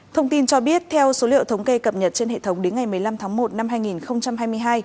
thông tin cho biết theo số liệu thống kê cập nhật trên hệ thống đến ngày một mươi năm tháng một năm hai nghìn hai mươi hai